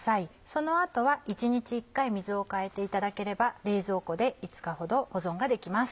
その後は一日１回水を替えていただければ冷蔵庫で５日ほど保存ができます。